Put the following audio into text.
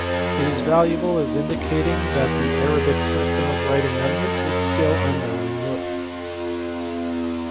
It is valuable as indicating that the Arabic system of writing numbers was still unknown in Europe.